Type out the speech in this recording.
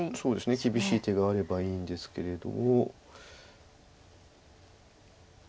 厳しい手があればいいんですけれども。